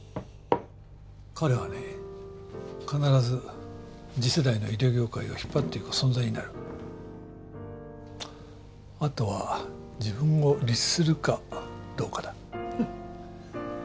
彼はね必ず次世代の医療業界を引っ張っていく存在になるあとは自分を律するかどうかだ